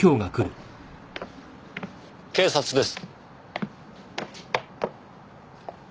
警察です。